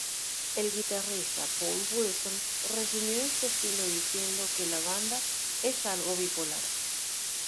El guitarrista Paul Wilson resumió este estilo diciendo que la banda es "algo bipolar".